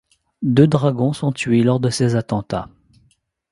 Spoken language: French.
Deux dragons sont tués lors de ces attentats.